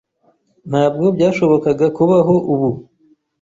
"Ntabwo byashobokaga kubaho ubu –